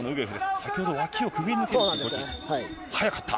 先ほど、脇をくぐり抜けて、速かった。